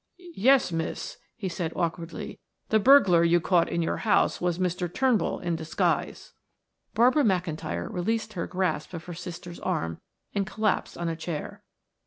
"Yes, Miss," he said awkwardly. "The burglar you caught in your house was Mr. Turnbull in disguise." Barbara McIntyre released her grasp of her sister's arm and collapsed on a chair.